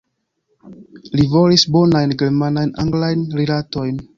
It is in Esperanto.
Li volis bonajn germanajn-anglajn rilatojn.